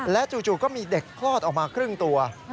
จู่ก็มีเด็กคลอดออกมาครึ่งตัว